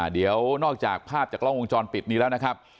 เดี๋ยวนอกจากภาพจากกล้องวงจรปิดนี้แล้วนะครับ